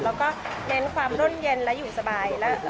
แล้วก็เน้นความร่มเย็นและอยู่สบาย